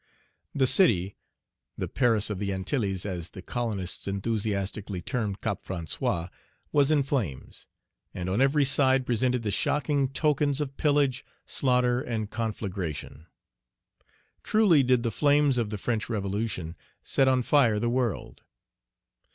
The city, "the Paris of the Antilles," as the colonists enthusiastically termed Cape François, was in flames, Page 62 and on every side presented the shocking tokens of pillage, slaughter, and conflagration. Truly did the flames of the French revolution set on fire the world.